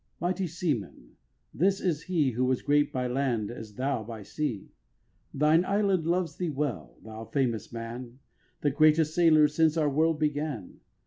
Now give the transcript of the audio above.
Mighty seaman, this is he Was great by land as thou by sea. Thine island loves thee well, thou famous man, The greatest sailor since our world began.